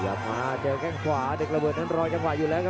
มาเจอแข้งขวาเด็กระเบิดนั้นรอจังหวะอยู่แล้วครับ